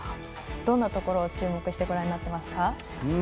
どんなところを注目してご覧になってますか？